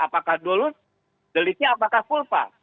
apakah dolus deliknya apakah pulpa